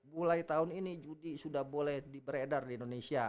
mulai tahun ini judi sudah boleh beredar di indonesia